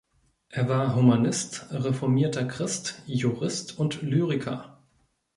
Er war Humanist, reformierter Christ, Jurist und Lyriker.